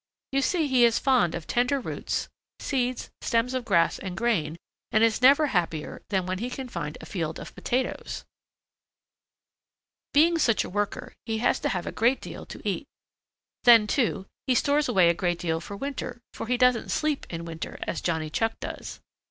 You see he is fond of tender roots, seeds, stems of grass and grain, and is never happier than when he can find a field of potatoes. "Being such a worker, he has to have a great deal to eat. Then, too, he stores away a great deal for winter, for he doesn't sleep in winter as Johnny Chuck does.